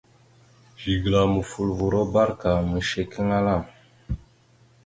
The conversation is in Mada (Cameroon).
Zigəla mofoləvoro barəka ameshekeŋala.